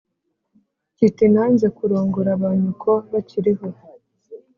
kiti nanze kurongora ba nyoko bakiri ho